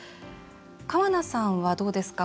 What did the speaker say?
川名さんはどうですか？